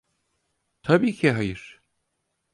Tabii ki hayır.